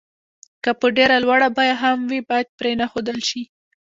که په ډېره لوړه بيه هم وي بايد پرې نه ښودل شي.